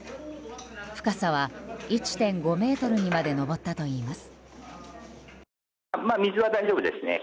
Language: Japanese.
深さは１．５ｍにまで上ったといいます。